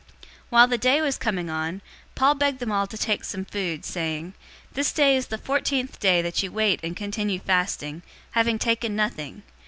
027:033 While the day was coming on, Paul begged them all to take some food, saying, "This day is the fourteenth day that you wait and continue fasting, having taken nothing.